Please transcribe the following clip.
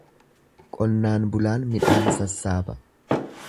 Qonnaan bulaan midhaan sassaaba.